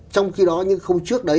trong khi đó như khâu trước đấy